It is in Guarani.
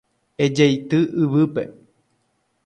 Ejeity yvýpe.